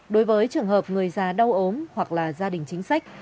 đối với trường hợp người già đau ốm hoặc là gia đình chính sách